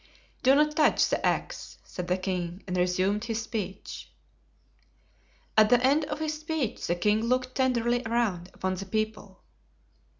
"Do not touch the axe," said the king, and resumed his speech. At the end of his speech the king looked tenderly around upon the people.